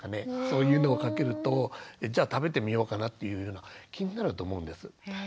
そういうのをかけるとじゃあ食べてみようかなっていうような気になると思うんです。